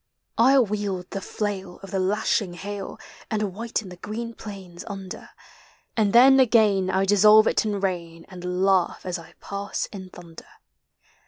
I wield the flail of the lashing hail. And whiten the green plains under; And then again I dissolve it in rain. And laugh as I pass in thunder.